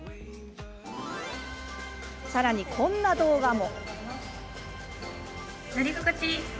さらにこんな動画も。